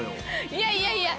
いやいやいや！